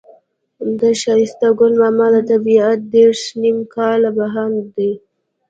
د ښایسته ګل ماما دا طبيعت دېرش نيم کاله بهاند دی.